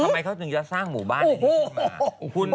ทำไมเขาถึงจะสร้างหมู่บ้านนี้ขึ้นมา